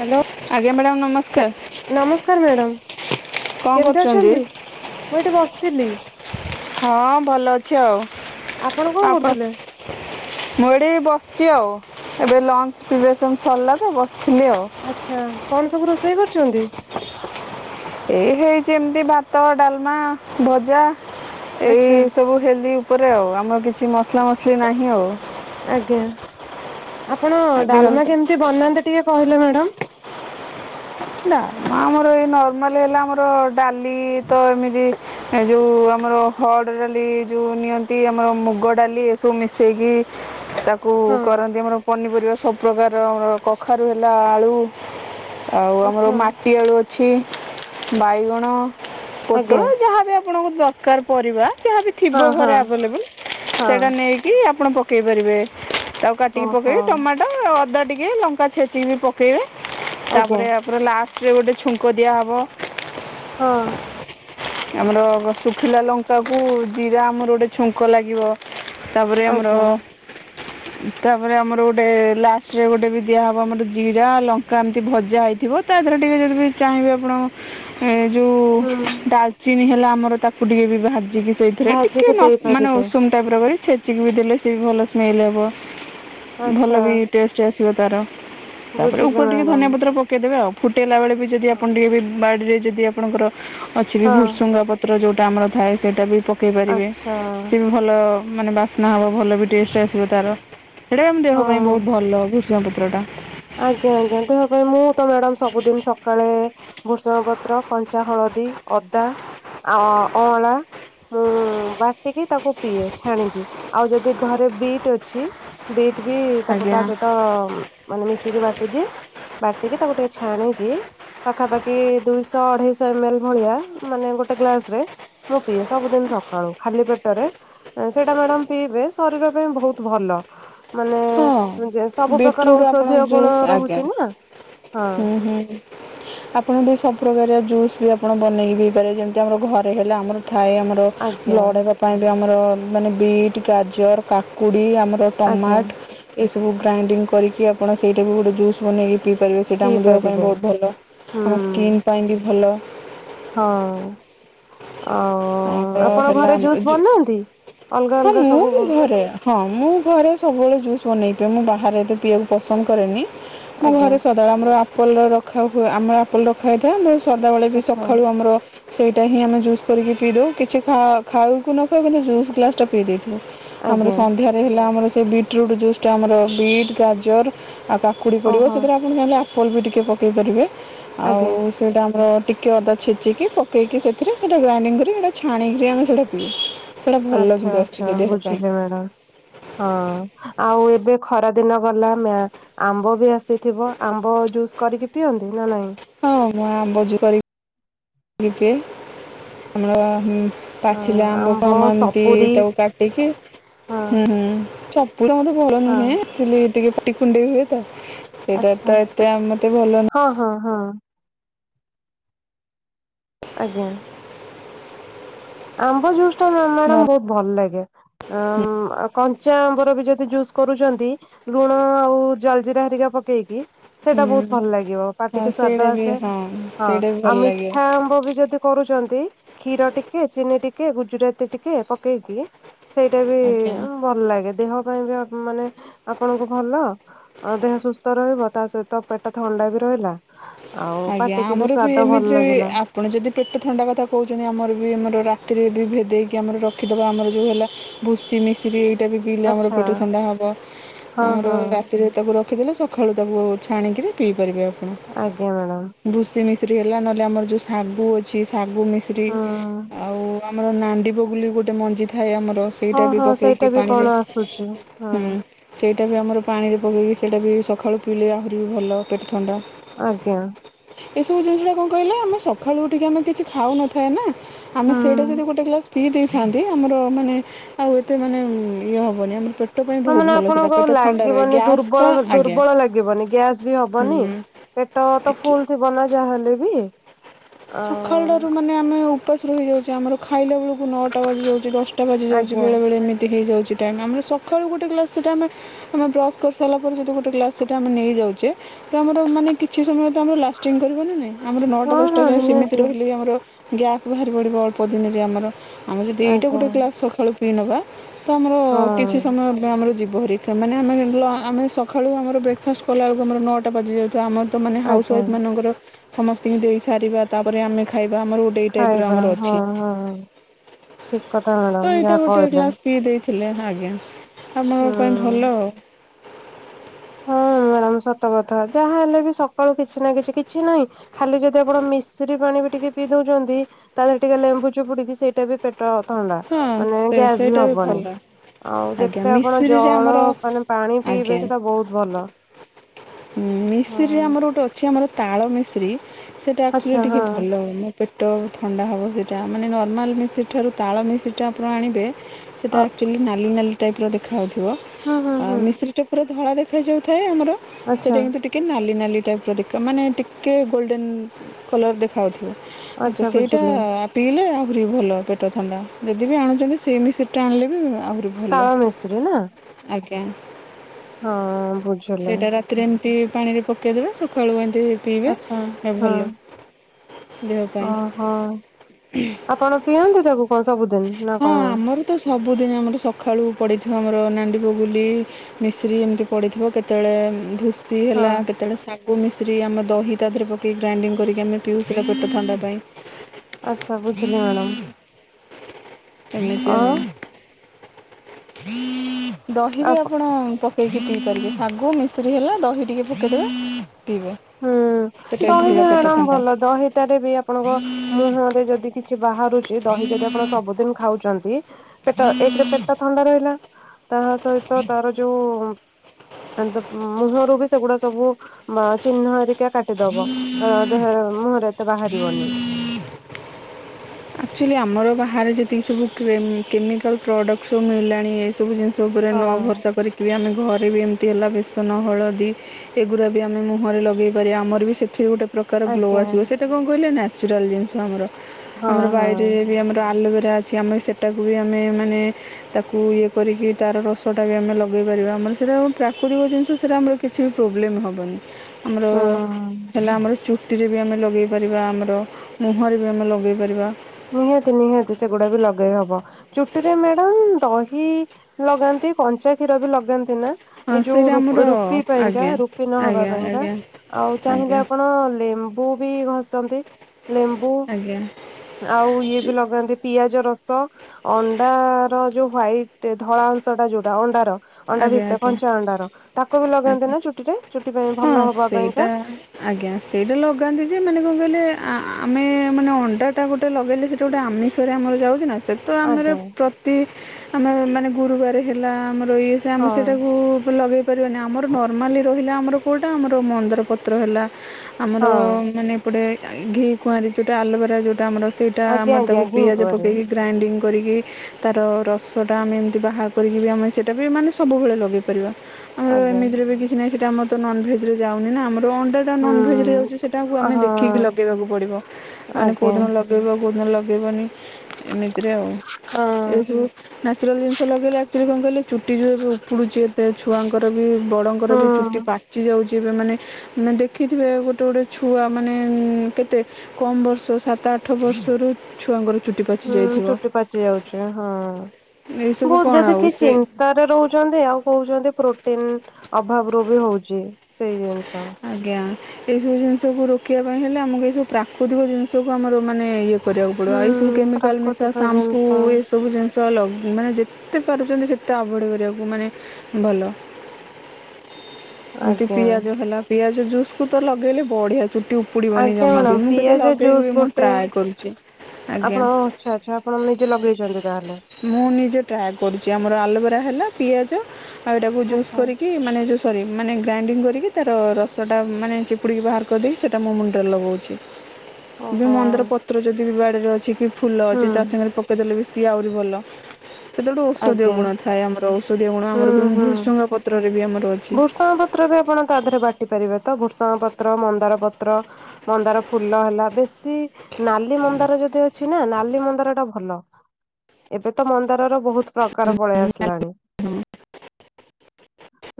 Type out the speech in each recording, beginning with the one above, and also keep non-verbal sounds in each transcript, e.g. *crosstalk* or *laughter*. Hello ଆଜ୍ଞା madam ମ୍ୟା ନମସ୍କାର। ନମସ୍କାର ମ୍ୟାଡ଼ାମ କଣ କେମିତି କରୁଛନ୍ତି? ଅଛନ୍ତି? ମୁଁ ଏଇଠି ବସିଥିଲି। ହଁ ଭଲ ଅଛି ଆଉ ଆପଣ କଣ ଆପ କରୁଥିଲେ? ମୁଁ ଏଠି ବସିଛି ଆଉ, ଏବେ ଲଞ୍ଚ ପ୍ରିପରେସନ୍ ସରିଲା ତ ବସିଥିଲି ଆଉ। ଆଚ୍ଛା କଣ ସବୁ ରୋଷେଇ କରୁଛନ୍ତି? ଏଇ ହେଇଛି ଏମତି ଭାତ, ଡାଲମା, ଭଜା। ଏଇ ଆଚ୍ଛା ସବୁ ହେଲଦି ଉପରେ ଆଉ ଆମର କିଛି ମସଲା ମସଲି ନାହିଁ ଆଉ। ଆଜ୍ଞା ଆପଣ ଆଜିକାଲି ଡାଲମା ତ କେମିତି ବନାନ୍ତି ଟିକେ କହିଲେ ମ୍ୟାଡ଼ାମ? ଆମର ଏଇ ନର୍ମାଲ ହେଲା ଆମର ଡାଲି ତ ଏମିତି ଏ ଯୋଉଁ ଆମର ହରଡ଼ ଡାଲି ଯୋଉଁ ନିଅନ୍ତି ଆମର ମୁଗ ଡାଲି ଏସବୁ ମିଶେଇକି ତାକୁ ହଁ କରନ୍ତି ଆମର ପନିପରିବା ସବୁ ପ୍ରକାର ଆମର କଖାରୁ ହେଲା ଆଳୁ ଆଉ ଆମର ଆଚ୍ଛା ମାଟି ଆଳୁ ଅଛି ବାଇଗଣ ଆଜ୍ଞା ପୋଟଳ ଯାହା ବି *unintelligible* ଆପଣଙ୍କୁ ଦରକାର ପରିବା ଯାହାବି ହଁ ଥିବ ହଁ ଘରେ ଆଭେଲେବୁଲ୍ ହଁ ସେଇଟା ନେଇକି ଆପଣ ପ କେଇ ପାରିବେ ଆଉ କାଟିକି ଓହୋ ପକେଇବେ ଟମାଟୋ ଅଦା ଟିକେ ଲଙ୍କା ଛେଚିକି ବି ପକେଇବେ। ଆଜ୍ଞା ପରେ ଆପର ଲାଷ୍ଟରେ ଗୋଟେ ଛୁଙ୍କ ଦିଆହବ। ହଁ। ଆମର ଗ ଶୁଖିଲା ଲଙ୍କାକୁ ଜିରା ଆମର ଗୋଟେ ଛୁଙ୍କ ଲାଗିବ। ତାପରେ ଆମର ଆଜ୍ଞା ଉଁ ତାପରେ ଆମର ଗୋଟେ ଲାଷ୍ଟରେ ଗୋଟେ ବି ଦିଆ ହବ ଆମର ଜିରା ଲଙ୍କା ଏମିତି ଭଜା ହେଇଥିବ ତା ଦେହରେ ଟିକେ ଯଦି ବି ଚାହିଁବେ ଆପଣ ଏ ଯୋଉ ହୁଁ ଡାଲଚିନି ହେଲା ଆମର ତାକୁ ଟିକେ ବି ଭାଜିିକି ସେଇଥିରେ ଟିକେ ଭାଜିକି ନ ମାନେ ଦେଇପାରିବେ ଉଷୁମ୍ ଟାଇପ୍ ର କରି ଛେଚିକି ବି ଦେଲେ ସେ ବି ଭଲ ସ୍ମେଲ ହବ ଭଲ ଆଚ୍ଛା ବି ଟେଷ୍ଟ ଆସିବ ତାର ତାପରେ ବୁଝିଲି ଉପରେ ଟିକେ ମ୍ୟାଡାମ ଧନିଆ ପତ୍ର ପ କେଇଦେବେ ଆଉ ଫୁଟେଇଲା ବେଳେ ବି ଯଦି ଆପଣ ଟିକେ ବି ବାଡ଼ିରେ ଯଦି ଆପଣଙ୍କର ଅଛି ବି ହଁ ଭୃସ୍ *unintelligible* ଯୋଉଟା ଆମର ଥାଏ ସେଇଟା ବି ପକେଇ ପାରିବେ ଆଚ୍ଛା ସେ ବି ଭଲ ମାନେ ବାସ୍ନା ହବ। ଭଲ ବି ଟେଷ୍ଟ ଆସିବ ତାର ହେଟା ବି ଆମ ଦେହ ପାଇଁ ହଁ ବୋହୁତ ଭଲ ଭେସୁଆଁ ପତ୍ରଟା। ଆଜ୍ଞା ଆଜ୍ଞା ଦେହ ପାଇଁ ମୁଁ ତ ମ୍ୟାଡାମ ସବୁଦିନ ସକାଳେ ବୃଷଙ୍ଗ ପ ତ୍ର କଞ୍ଚା ହଳଦୀ ଅଦା ଆ ଅଁଳ ମୁଁ ବାଟିକି ତାକୁ ପିଏ ଛାଣିକି ଆଉ ଯଦି ଘରେ ବିଟ୍ ଅଛି। ବିଟ ବି ତାକୁ ଆଜ୍ଞା। ତା ସହିତ ଉଁ ମାନେ ମିଶେଇକି ବାଟିଦିଏ। ବାଟିକି ତାକୁ ଟିକେ ଛାଣିଦିଏ। ପାଖାପାଖି ଦୁଇଶହ ଅଢ଼େଇ ଶହ ଏମ ଏଲ ଭଳିଆ ମାନେ ଗୋଟେ ଗ୍ଲାସ ରେ। ମୁଁ ପିଏ ସବୁଦିନ ସକାଳୁ ଖାଲି ପେଟରେ। ଏ‍ଁ ସେଇଟା ମ୍ୟାଡ଼ାମ ପିଇବେ ଶରୀର ପାଇଁ ବୋହୁତ ଭଲ‌। ମାନେ ହଁ ଉଁ ଯେ ସବୁ ପ୍ରକାର ବିଟରୁଟ ଆପଣ ଔଷଧୀୟ ଗୁଣ ଜୁସ୍ ଆଜ୍ଞା ରହୁଛି ନା ହଁ। ହୁଁ ହୁଁ। ଆପଣ ବି ସବୁ ପ୍ରକାରିଆ ଜୁସ୍ ବି ଆପଣ ବନେଇ ବି ପାରିବେ ଯେମିତି ଆମର ଘରେ ହେଲା ଆମର ଥାଏ ଆମର୍ ର ଆଜ୍ଞା ବ୍ଲଡ଼ ହେବା ପାଇଁ ବି ଆମର ମାନେ ବିଟ୍ ଗାଜର କାକୁଡ଼ି ଆମର ଆଜ୍ଞା ଟମାଟ ଏସବୁ ଗ୍ରାଇଣ୍ଡିଙ୍ଗ କରିକି ଆପଣ ସେଇଟାକୁ ଗୋଟେ ଜୁସ୍ ବନେଇକି ପିଇ ପାରିବେ ସ୍ ସେଇଟା ପିଇ ଆମ ଦେହ ପାଇଁ ପାରିବେ ବୋହୁତ ଭଲ ହୁଁ ଆମ ସ୍କିନ୍ ପାଇଁ ବି ଭଲ। ହଁ ଆ ତ ଆଉ ଆପଣ ହେଲା ଘରେ ଜୁସ୍ ଆମର ଜୁ ବନାନ୍ତି? ଅଲଗା ହଁ ଅଲଗା ମୁଁ ସବୁ ବି ବ ଘରେ। ହଁ ମୁଁ ଘରେ ସବୁବେଳେ ଜୁସ୍ ବନେଇକି ପିଏ ମୁଁ ବାହାରେ ଏତେ ପିଇବାକୁ ପସନ୍ଦ କରେନି ମୋ ଆଜ୍ଞା ଘରେ ସ ଦା ବେଳେ ଆମର ଆପଲ ରଖା ହୁଏ ଆମର ଆପଲ ରଖା ହେଇଥାଏ ମୁଁ ସଦାବେଳେ ବି ଆଚ୍ଛା ସକାଳୁ ଆମର ସେଇଟା ହିଁ ଆମେ ଜୁସ୍ କରିକି ପିଇଦଉ କିଛି ଖା-ଖାଉକି ନ ଖଉ କିନ୍ତ ଜୁସ୍ ଗ୍ଲାସ ଟା ପିଇ ଦେଇ ଥିବୁ। ଆମର ଆଜ୍ଞା ସନ୍ଧ୍ୟାରେ ହେଲା ଆମର ସେ ବିଟ ରୁଟ୍ ଜୁସ୍ ଟା ଆମର ବିଟ୍ ଗାଜର ଆ କାକୁଡ଼ି ପଡ଼ିବ ଓହୋ ସେଥିରେ ଆପଣ ଚାହିଁଲେ ଆପଲ୍ ବି ଟିକେ ପକେଇ ପାରିବେ ଆଉ ଆଜ୍ଞା ସ୍ ସେଇଟା ଆମର ଟିକେ ଅଦା ଛେଚିକି ପକେଇକି ସେଥିରେ ସେଟା ଗ୍ରାଇଣ୍ଡିଙ୍ଗ କରିକି ସେଟା ଛାଣିକି ଆମେ ସେଇଟା ପିଉ। ସେଟା ଭଲ ଆଚ୍ଛା କିନ୍ତୁ ଆଚ୍ଛା ଆକ୍ଚୁଆଲି ଦେହ ପାଇଁ ବୁଝିଲି ମ୍ୟାଡାମ ହଁ। ଆଉ ଏବେ ଖରା ଦିନ ଗଲା ମ୍ୟା ଆମ୍ବ ବି ଆସିଥିବ ଆମ୍ବ ଜୁସ୍ କରିକି ପିଅନ୍ତି ନା ନାଇଁ? ହଁ ମୁଁ ଆମ୍ବ ଜୁ କରି *unintelligible* ବି ପିଏ ଆମର ହଁ ପାଚିଲା ଆମ୍ବ ଆମ୍ବକୁ ଆମ ଏମିତି ସପୁରୀ ତାକୁ କାଟିକି ହଁ ହୁଁ ହୁଁ *unintelligible* ପୁରା ମତେ ଭଲ ହଁ ନୁହେଁ ଅକ୍ଚୁଲି ଟିକେ ପାଟି କୁଣ୍ଡେଇ ହୁଏ ତ ସେଇଟା ଆଚ୍ଛା ତ ଏତେ ଆ ମତେ ଭଲ ନ ହଁ ହଁ ହଁ। ଆଜ୍ଞା। ଆମ୍ବ ଜୁସଟା ନୁହଁ ମ୍ୟାଡାମ୍ ନର୍ ବହୁତ୍ ଭଲ ଲାଗେ। ଅ ଆ କଞ୍ଚା ଆମ୍ବରେବି ଯଦି ଜୁସ୍ କରୁଚନ୍ତି ଲୁଣ ଆଉ ଜଲଜିିରା ହରିକା ପକେଇକି ସେଇଟା ବହୁତ୍ ହୁଁ ଭଲ ଲାଗିବ। ହଁ ପାଟିିକି ସ୍ଵାଦ ସେଇଟା ବି ଆସେ ହଁ ହଁ ସେଇଟା ବି ଭଲ ଆଉ ଲାଗେ ମିଠା ଆମ୍ବବି ଯଦି କରୁଚନ୍ତି କ୍ଷୀର ଟିକେ ଚିନି ଟିକେ ଗୁଜୁରାତି ଟିକେ ପକେଇକି ସେଇଟାବି ଆଜ୍ଞା। ଭଲ ଲାଗେ ଦେହ ପାଇଁବି ମାନେ ଆପଣଙ୍କୁ ଭଲ ଦେହ ସୁସ୍ଥ ରହିବ ତାସହିତ ପେଟ ଥଣ୍ଡାବି ରହିଲା। ଆଉ ଆଜ୍ଞା ପାଟିକିବି ଆମର ବି ସ୍୍ୱାଦ ଭଲ ଏମିତିରେ ଲାଗିଲା। ଆପଣ ଯଦି ପେଟ ଥଣ୍ଡା କଥା କହୁଚନ୍ତି ଆମରବି ଆମର ରାତିରେବି ଭେଦେଇକି ଆମର ରଖିଦେବା ଆମର ଯେଉଁ ହେଲା ଭୁସି ମିଶରିି ଏଇଟାବି ପିଇଲେ ଆମର ଆଚ୍ଛା ପେଟ ଥଣ୍ଡା ହେବ ହଁ ଆମର ହଁ ରାତିରେ ତାକୁ ରଖିଦେଲେ ସବୁ ସଖାଳୁ ତାକୁ ଛାଣିକିରି ପିଇପାରିବେ ଆପଣ। ଆଜ୍ଞା ମ୍ୟାଡ଼ମ୍। ଭୁଷି ମିଶ୍ରୀ ହେଲା ନହେଲେ ଆମର ଯେଉଁ ଶାଗୁ ଅଛି ଶାଗୁ ମିଶ୍ରୀ ହୁଁ ଆଉ ଆମର ନାଣ୍ଡି ବଗୁଲି ଗୋଟେ ମଞ୍ଜି ଥାଏ ଆମର ହଁ ସେଇଟାବି ହଁ ସେଇଟା ପକେଇକି ବି କଣ ପାଣିରେ ଆସୁଛି ହଁ ହୁଁ। ସେଇଟାବି ଆମର ପାଣିରେ ପକେଇକି ସେଇଟାବି ସଖାଳୁ ପିଇଲେ ଆହୁରିବି ଭଲ ପେଟ ଥଣ୍ଡା। ଆଜ୍ଞା। ଏସବୁ ଜିନିଷଟା କଣ କହିଲେ ଆମେ ସକାଳୁ ଉଠିକି ଆମେ କିଛି ଖାଉନଥାଉଁ ନା ଆମେ ସେଇଟା ହୁଁ। ଯଦି ଗୋଟେ ଗ୍ଲାସ୍ ପିଇ ଦେଇ ଥାନ୍ତି ଆମର ମାନେ ଆଉ ଏତେ ମାନେ ଇଏ ହେବନି ଆମର ପେଟ ପାଇଁ ହଁ ବହୁତ ମାନେ ଭଲ ସେଟା ଆପଣଙ୍କୁ ଆଉ ପେଟ ଥଣ୍ଡା ରୁହେ ଲାଗିବନି ଗ୍ୟାସ୍ ଟା ଦୁର୍ବଳ ଆଜ୍ଞା ଦୁର୍ବଳ ଲାଗିବନି ଗ୍ୟାସବି ହବନି ହୁଁ ପେଟତ ଫୁଲ୍ ଥିବନା ଯାହାହେଲେବି। ସକାଳୁଠାରୁ ମାନେ ଆମେ ଉପାସ ରହିଯାଉଛେ ଆମର ଖାଇଲା ବେଳକୁ ନଅଟା ବାଜିଯାଉଛି ଦଶ ଟା ବାଜି ଯାଉଛି ଆଜ୍ଞା ବେଳେ ବଳେ ଏମିତି ହେଇଯାଉଚି। ଟାଇମ୍ ଆମ ସକାଳୁ ଗଟେ ଗ୍ଲାସ୍ ସେଟା ଆମେ ବ୍ରସ୍ କରିସାରିଲା ପରେ ଯଦି ଗୋଟେ ଗ୍ଲାସ୍ ସେଇଟା ଆମେ ନେଇଯାଉଛେ। ତ ଆମର ମାନେ କିଛି ସମୟତ ଆମର ଲାଷ୍ଟିଂ କରିବନା ନାଇଁ ଆମର ନଅଟା ହଁ ଦଶ ହଁ ନିହାତି କି ଆମର ଗ୍ୟାସ୍ ବାହାରିିପଡ଼ିବ ଅଳ୍ପ ଦିନରେ ଆମର ଆମେ ଯଦି ଏଇଟା ଆଜ୍ଞା ଗୋଟେ ଗ୍ଲାସ୍‌ ସକାଳୁ ପିଇ ନେବା ତଆମର କିଛି ହଁ ସମୟ ଆମର ଜୀବହାରି। ମାନେ ଆମେ ଆମେ ସକାଳୁ ଆମର ବ୍ରେକ୍ଫାଷ୍ଟ କଲା ବବେଳକୁ ଆମର ନଅଟା ବାଜିଯାଉଥିବ ଆମ ତ ମାନେ ହାଉସ ଆଜ୍ଞା ୱାଇଫ୍ ମାନଙ୍କର ସମସ୍ତଙ୍କୁ ଦେଇ ସାରିବା ତାପରେ ଆମେ ଖାଇବା ଆମର ଏଇ ଟାଇପ୍ର ଖାଇବା ଆମର ହଁ ଅଛି ହଁ ଠିକ୍ କଥା ତ ମ୍ୟାଡ଼ାମ୍ ଏଇଟା ଯାହା ଗୋଟେ କହିଲେ। ଗ୍ଲାସ୍ ପିଇ ଦେଇଥିଲେ ଆଜ୍ଞା ଆପଣଙ୍କ ପାଇଁ ହୁଁ। ଭଲ। ହଁ ମ୍ୟାଡ଼ାମ ସତ କଥା ଯାହା ହେଲେବି ସକାଳୁ କିଛି ନା କିଛି ନାହିଁ ଖାଲି ଯଦି ଆପଣ ମିଶ୍ରୀି ପାଣିବି ଟିକେ ପିଇ ଦଉଚନ୍ତି ତାହେଲେ ଟିକେ ଲେମ୍ବୁ ଚିପୁଡ଼ିକି ସେଇଟା ବି ପେଟ ଥଣ୍ଡା ହଁ ମାନେ ସେ ଗ୍ୟାସବି ସେଇଟା ବି ହବନି। ଭଲ ଆଉ ଆଜ୍ଞା ଯେତେ ଆପଣ ମିଶିରିରେ ଜଳ ଆମର ମାନେ ପାଣି ପିଇବେ ସେଟା ବହୁତ୍ ଭଲ। ଉଁ ମିଶ୍ରିରେ ହଁ ଆମର ଗୋଟେ ଅଛି ଆମର ତାଳ ମିଶ୍ରୀ ସେଇଟା ଆକ୍ଚୁଆଲି ଆଚ୍ଛା ଟିକେ ହଁ ଭଲ ମ ପେଟ ଥଣ୍ଡା ହେବ ସେଇଟା ମାନେ ନର୍ମାଲ ମିସିରି ଠାରୁ ତାଳ ମିଶିରିଟା ଆପଣ ଆଣିବେ ସେଇଟା ଅ ଆକ୍ଚୁଲି ନାଲି ନାଲି ଟାଇପର ଦେଖାହେଉଥିବ ହୁଁ ହୁଁ ହୁଁ ମିଶିରି ପୁରା ଧଳା ଦେଖା ଯାଉଥାଏ ଆମର ଆଚ୍ଛା ସେଇଟା କିନ୍ତୁ ଟି ଟିକେ ନାଲି ନାଲି ଟାଇପ୍ର ଦଖ ମାନେ ଟିକେ ଗୋଲ୍ଡେନ୍ କଲର୍ ଦେଖାଉଥିବ ଆଚ୍ଛା ତସେଇଟା ବୁଝିଲି। ପିଇଲେ ଆହୁରି ଭଲ ପେଟ ଥଣ୍ଡା ଯଦିବି ଆଣୁଚନ୍ତି ସେଇ ମିସିଟ୍ଟା ଆଣିଲେବି ଆହୁରି ଭଲ ତାଳ ମିଶ୍ରିନା? ଆଜ୍ଞା। ହଁ ବୁଝୁ ସେଇଟା ରାତିରେ ଏମିତି ପାଣିରେ ପକାଇଦେବେ ସକାଳୁ *unintelligible* ଆଛା ଏ ହଁ ଭଲ ଦେହ ପାଇଁ ଓହୋ ଆପଣ ପିଅନ୍ତି ତାକୁ କଣ ସବୁଦିନ ନା ହଁ କଣ? ଆମର ତ ସବୁଦିନ ଆମର ସଖାଳୁ ପଡ଼ିଥିବ ଆମର ନାଣ୍ଡି ବଗୁଲି। ମିଶ୍ରୀ ଏମିତି ପଡିଥିବ କେତେବେଳେ ଭୁସି ହଁ ହେଲା କେତେବେଳେ ଶା ଗୁ ମିଶ୍ରି ଆମ ଦହି ତାହରେ ପକେଇକି ଗ୍ରାଇଣ୍ଡିଙ୍ଗ କରିକି ଆମେ ପିଉଥିଲେ ପେଟ ଥଣ୍ଡା ପାଇଁ। ଆଚ୍ଛା ବୁଝିଲି ମ୍ୟାଡ଼ାମ। ଏମିତି ଆଉ। ଦହି ବି ଆପ ଆପଣ ପ ପଇକି ପିଇ ପାରିବେ ଶାଗୁ ମିଶ୍ରି ହେଲା ଦହି ଟିକେ ପକାଇଦେବେ ପିଇବେ। ହୁଁ ସେଇଟା ବି ଦହିି ଭଲ ପେଟ ବାଇଗଣମ ଥଣ୍ଡା ଭଲ ଦହିଟାରେ ବି ଆ ଆପଣଙ୍କ ମୁହଁରେ ଯଦି କିଛି ବାହାରୁଛି ଦହି ଯଦି ଆପଣ ସବୁଦିନ ଖାଉଚନ୍ତି ପେଟ ଏକରେ ପେଟ ଥଣ୍ଡା ରହିଲା। ତାହା ସହିତ ତାର ଯୋଉ ଦ ମୁହଁରୁ ବି ସେଗୁଡା ସବୁ ଅ ଚିହ୍ନ ହେରିକା କାଟିଦବ ଅଁ ଦେହର ମୁହଁରେ ଏତେ ବାହାରିବନି। ଆକ୍ଚୁଆଲି ଆମର ବାହାରେ ଯେତିକି ସବୁ କ୍ରିମ କେମିକାଲ୍ ପ୍ରଡ଼କ୍ଟ ସବୁ ମିଳିଲଣି ଏସବୁ ଜିନିଷ ସବୁରେ ନ ହଁ ଭର୍ଷା କରିକି ବି ଆମେ ଘରେ ବି ଏମିତି ହେଲା ବେସନ ହଳଦୀ ଏଗୁରା ବି ଆମେ ମୁହଁରେ ଲଗେଇ ପାରିବା ଆମର ବି ସେଥିରେ ଗୋଟେ ପ୍ରକାର ଗ୍ଲୋ ଆଜ୍ଞା ଆସିବ ସେଇଟା କଣ କହିଲେ ନ୍ୟାଚୁରାଲ୍ ଜିନିଷ ଆମର। ହଁ ଆମର ହଁ ବାଇରେ ବି ଆମର ଆଲୋବେରା ଅଛି ଆମେ ସେଇଟାକୁ ବି ଆମେ ମାନେ ତାକୁ ଇଏ କରିକି ତାର ରସଟା ବି ଆମେ ଲଗେଇ ପାରିବା ଆମର ସେଇଟା ପ୍ରାକୃତିକ ଜିନିଷ ସେଇଟା ଆମର କିଛି ବି ପ୍ରୋବ୍ଲେମ୍ ହେବନି। ଆମର ହୁଁ ହେଲା ଆମର ଚୁଟିରେ ବି ଆମେ ଲଗେଇ ପାରିବା ଆମର ମୁହଁରେ ବି ଆମେ ଲଗେଇ ପାରିବା। ନିହାତି ନିହାତି ସେଗୁଡା ବି ଲଗେଇ ହବ। ଚୁଟିରେ ମ୍ୟାଡାମ ଦହି ଲଗାନ୍ତି କଞ୍ଚା କ୍ଷୀର ବି ଲଗାନ୍ତି ନା? ହଁ ଏଇ ଯୋଉ ସେଇଟା ରୁ ଆମର ରୁପି ପାଇଁକା ଆଜ୍ଞା ରୁପି ନ ହବା ଆଜ୍ଞା ପାଇଁକା। ଆଉ ଆଜ୍ଞା ଚାହିଁଲେ ଆଜ୍ଞା ଆପଣ ଲେମ୍ବୁ ବି ଘଷନ୍ତି ଲେମ୍ବୁ ଆଜ୍ଞା। ଆଉ ଇଏ ବି ଲଗାନ୍ତି ପିଆଜ ରସ। ଅଣ୍ଡା ର ଯୋଉ ହାଇଟ ଧଳା ଅଂଶ ଟା ଯୋଉଟା ଅଣ୍ଡାର। ଅଣ୍ଡା ଆଜ୍ଞା ଭିତରେ ଆଜ୍ଞା କଞ୍ଚା ଅଣ୍ଡାର ତାକୁ ବି ଲଗାନ୍ତି ଆଜ୍ଞା ନା ଚୁଟିରେ ଚୁଟି ପାଇଁ ହଁ ଭଲ ହବା ସେଇଟା ପାଇଁକା। ଆଜ୍ଞା ସେଇଟା ଲଗାନ୍ତି ଯେ ମାନେ କଣ କହିଲେ ଆ ଆ ଆମେ ମାନେ ଅଣ୍ଡାଟା ଗୋଟେ ଲଗେଇଲେ ସେଇଟି ଗୋଟେ ଆମି *unintelligible* ଆମର ଯାଉଚିନା ସେତୁ ଆମର ଆଜ୍ଞା ପ୍ରତି ଆମେ ମାନେ ଗୁରୁବାର ହେଲା ଆମର ଇଏ ସେ ଆମେ ହଁ ସେଇଟାକୁ ଲଗାଇ ପାରିବାନି ଆମର ନର୍ମାଲି ରହିଲା ଆମର କୋଉଟା ଆମର ମନ୍ଦରପତ୍ର ହେଲା ଆମର ହଁ ମାନେ ଏପଟେ ଘି କୁଆଁରି ଯେଉଁଟା ଆଲୋଭେରା ଯେଉଁଟା ଆମର ସେଇଟା ଆଜ୍ଞା ଆମର ଆଜ୍ଞା ତାକୁ ଘି ପିଆଜ କୁଆଁରୀ ପକେଇକି ଗ୍ରାଇଣ୍ଡିଙ୍ଗ କରିକି ତାର ରସଟା ଆମେ ଏମିତି ବାହାର କରିକି ବି ଆମେ ସେଇଟା ବି ମାନେ ସବୁବେଳେ ଲଗେଇ ପାରିବା। ଆମର ଆଜ୍ଞା ଏମିତିରେ ବି କିଛି ନାହିଁ ସେଟା ଆମର ତ ନନ୍ ଭେଜ ରେ ଯାଉନି ନା ଆମର ଅଣ୍ଡେର *unintelligible* ନନ ଭେଜରେ ହୁଁ ଯାଉଛି ସେଟାକୁ ଆମେ ହଁ ଦେଖିକି ଲଗେଇବାକୁ ପଡିବ ମାନେ ଆଜ୍ଞା। କୋଉ ଦିନ ଲଗେଇବ କୋଉ ଦିନ ଲଗେଇବନି ଏମିତିରେ ଆଉ। ହଁ ଏ ସବୁ ନ୍ୟଚୁରାଲ ଜିନିଷ ଲଗେଇଲେ ଆକଚୁଆଲି କଣ କହିଲେ ଚୁଟି ଯୋଉ ଏ ଉପୁଡଛି ଏତେ ଛୁଆଙ୍କ ର ବି ବଡ଼ଙ୍କର ବି ଚୁଟି ହୁଁ ପାଚି ଯାଉଛି ଏବେ ମାନେ ମାନେ ଦେଖିଥିବେ ଗୋଟେ ଗୋଟେ ଛୁଆ ମାନେ କେତେ କମ ବର୍ଷ ସାତ ଆଠ ବର୍ଷରୁ ଛୁଆଙ୍କ ହୁଁ ଚୁଟି ପାଚି ଯାଉଛି ହଁ, ଏଇସବୁ ବହୁତ କଣ ଯଦି ଆଉ କି ଚି ସେ ତା ରେ ରହୁଛନ୍ତି ଆଉ କହୁଛନ୍ତି, ପ୍ରୋଟିନ ଅଭାବ ରୁ ବି ହଉଛି ସେଇ ଜିନିଷ। ଆଜ୍ଞା, ଏଇସବୁ ଜିନିଷକୁ ରୋକିବା ପାଇଁ ହେଲେ ଆମକୁ ଏଇସବୁ ପ୍ରାକୃତିକ ଜିନିଷକୁ ଆମର ମାନେ ଇଏ କରିବାକୁ ହୁଁ ପଡିବ ଏଇ ସବୁ କେମିକାଲ ମିଶା ପ୍ରାକୃତିକ ସାମ୍ପୁ ଜିନିଷ ଏସବୁ ଜିନି ମାନେ ଯେତେ ପାରୁଛନ୍ତି ସେତେ ଆଭୋର୍ଡ଼୍ କରିବାକୁ ମାନେ ଭଲ ଏମତି ଆଜ୍ଞା। ପିଆଜ ହେଲା ପିଆଜ ଜୁସ କୁ ତ ଲଗେଇଲେ ବଢିଆ ଚୁଟି ଉ ପୁଡିବନି ଆଜ୍ଞା ଜମା ବି ମ୍ୟାଡାମ ମୁଁ କେତେ ପିଆଜ ଜୁସ୍ ଲଗେଇହୁଏ ମୁ ଗୋଟେ ଟ୍ରାଏ କରୁଛି। ଆଜ୍ଞା। ଆପଣ ଆଚ୍ଛା ଆଚ୍ଛା ଆପଣ ନିଜେ ଲଗେଇଚନ୍ତି ତାହେଲେ। ମୁଁ ନିଜେ ଟ୍ରାଏ କରୁଛି, ଆମର ଆଲୋଭେରା ହେଲା ପିଆଜ ଆଉ ଏଇଟାକୁ ଜୁସ୍ ଆଚ୍ଛା କରିକି ମାନେ ସରି ମାନେ ଗ୍ରାଇଣ୍ଡିଙ୍ଗ କରିକି ତାର ରସଟା ମାନେ ଚିପୁଡ଼ିକି ବାହାର କରିଦେଇ ସେଟା ମୋ ମୁଣ୍ଡରେ ଲଗଉଛି। ଓହୋ ମନ୍ଦାର ପତ୍ର ଯଦି ବାଡିରେ ଅଛି କି ଫୁଲ ହୁଁ ଅଛି ତା ସାଙ୍ଗରେ ପ ପକେଇଦେଲେ ବି ସିଏ ଆହୁରି ଭଲ ସେତ ଗୋଟେ ଓଷଦିଅ ଆଜ୍ଞା ଗୁଣ ଥାଏ, ଆମର ଔଷଧୀୟ ଗୁଣ ଆମର ଭୃସୁଙ୍ଗ ପତ୍ରରେ ବି ଆମର ଅଛି ଭୃସଙ୍ଗ ପତ୍ର ବି ଆପଣ ତା ଦେହରେ ବାଟି ପାରିବେ ତ ଭୃସାଙ୍ଗ ପତ୍ର, ମନ୍ଦାର ପତ୍ର। ମନ୍ଦାର ଫୁଲ ହେଲା ବେଶି ନାଲି ମନ୍ଦାର ଯଦି ଅଛି ନା ନାଲି ମନ୍ଦାର ଟା ଭଲ ଏବେ ତ ମନ୍ଦାରର ବହୁତ ପ୍ରକାର ପଳେଇ ଆସିଲାଣି।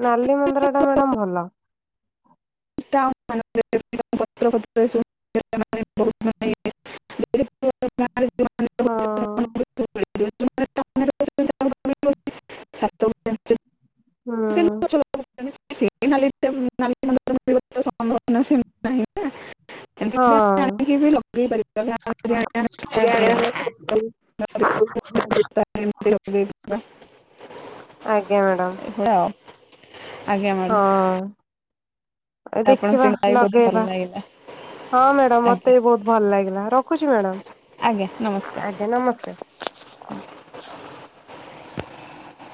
ନାଲି ମନ୍ଦାର ଟା ମ୍ୟାଡ଼ାମ ଭଲ। *unintelligible* ଗାଁରେ ଯେଉଁମାନେ ହଁ। ରହୁଛନ୍ତି ସେମାନଙ୍କୁ ସବୁ ମିଳିଯିବ ଯେଉଁମାନେ ଟାଉନରେ *unintelligible* ହୁଁ *unintelligible* ହଁ *unintelligible* *unintelligible* ଆଜ୍ଞା *unintelligible* *unintelligible* *unintelligible* ଆଜ୍ଞା ମ୍ୟାଡ଼ାାମ। *unintelligible* ଆଉ ଆଜ୍ଞା ମ୍ୟାଡ଼ାମ। ହଁ ଆ ଦେଖିବା, ସାଙ୍ଗେ କଥା ହେଇ ବହୁତ ଲଗେଇବା। ଭଲ ଲାଗିଲା ହଁ ମ୍ୟାଡାମ ଆଜ୍ଞା ମତେବି ବହୁତ ଭଲ ଲାଗିଲା, ରଖୁଛି ଆଜ୍ଞା ନମସ୍କାର ମ୍ୟାଡ଼ାମ। ଆଜ୍ଞା ନମସ୍କାର।